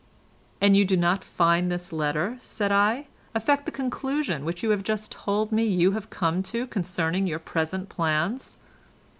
"And you do not find this letter," said I, "affect the conclusion which you have just told me you have come to concerning your present plans?"